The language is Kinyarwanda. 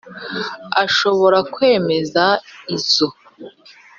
ashobora kwemeza izo.